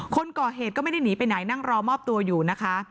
คนก่อเหตุก็ไม่ได้หนีไปไหนนั่งรอมอบตัวอยู่นะคะ